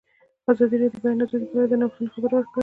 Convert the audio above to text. ازادي راډیو د د بیان آزادي په اړه د نوښتونو خبر ورکړی.